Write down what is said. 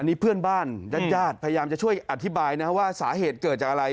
นี่เพื่อนบ้านญาติญาติพยายามจะช่วยอธิบายนะว่าสาเหตุเกิดจากอะไร